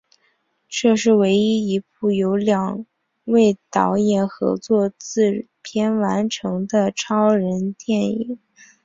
这是唯一一部由两位导演合作制片完成的超人电影。